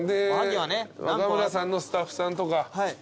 若村さんのスタッフさんとか。